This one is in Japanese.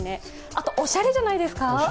あと、形もおしゃれじゃないですか？